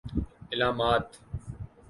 علامات